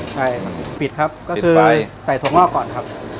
ใช่ครับปิดครับก็คือไปใส่ถั่วงอกก่อนครับ